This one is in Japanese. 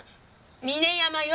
峰山よ。